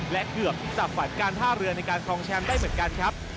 และเกือบจับฝันการท่าเรือในการครองแชมป์ได้เหมือนกันครับ